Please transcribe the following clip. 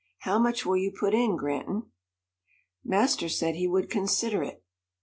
How much will you put in, Granton?" Master said he would consider it.